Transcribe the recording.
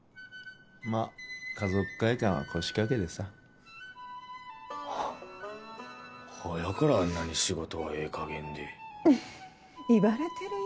まッ華族会館は腰掛けでさほやからあんなに仕事はええかげんで言われてるよ